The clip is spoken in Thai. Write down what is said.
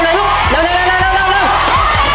หมุนให้เร็วหน่อยลูก